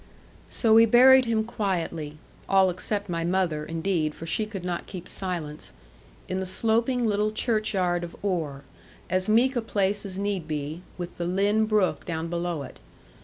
So we buried him quietly all except my mother, indeed, for she could not keep silence in the sloping little churchyard of Oare, as meek a place as need be, with the Lynn brook down below it.